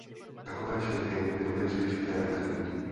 Takové škrty by nebyly příliš chytré a inteligentní.